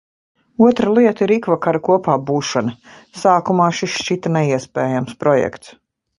Otra lieta ir ikvakara kopābūšana. Sākumā šis šķita neiespējams projekts.